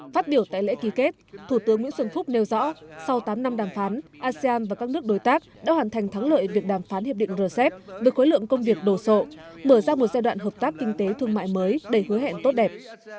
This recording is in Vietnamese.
phát biểu tại lễ ký kết thủ tướng nguyễn xuân phúc nêu rõ sau tám năm đàm phán asean và các nước đối tác đã hoàn thành thắng lợi việc đàm phán hiệp định rcep với khối lượng công việc đồ sộ mở ra một giai đoạn hợp tác kinh tế thương mại mới đầy hứa hẹn tốt đẹp